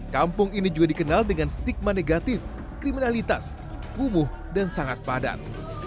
kampung ini juga dikenal dengan stigma negatif kriminalitas kumuh dan sangat padat